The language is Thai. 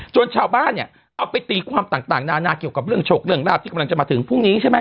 ชาวบ้านเนี่ยเอาไปตีความต่างนานาเกี่ยวกับเรื่องฉกเรื่องราบที่กำลังจะมาถึงพรุ่งนี้ใช่ไหม